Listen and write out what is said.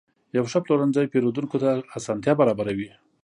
یو ښه پلورنځی پیرودونکو ته اسانتیا برابروي.